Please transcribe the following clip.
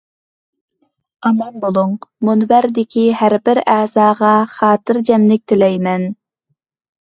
ئامان بولۇڭ مۇنبەردىكى ھەر بىر ئەزاغا خاتىرجەملىك تىلەيمەن!